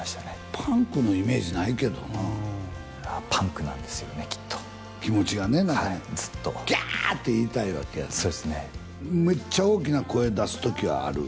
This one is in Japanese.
パンクのイメージないけどなパンクなんですよねきっと気持ちがねはいずっとギャーって言いたいわけやなそうですねメッチャ大きな声出す時はある？